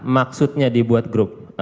maksudnya dibuat grup